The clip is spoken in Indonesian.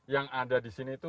yang ada di sini itu